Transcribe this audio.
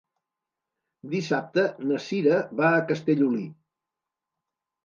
Dissabte na Cira va a Castellolí.